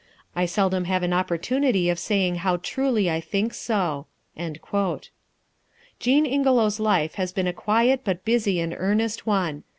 I seldom have an opportunity of saying how truly I think so." Jean Ingelow's life has been a quiet but busy and earnest one.